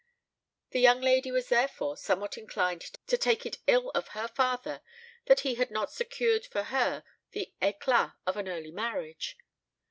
The young lady was therefore somewhat inclined to take it ill of her father that he had not secured for her the éclat of an early marriage.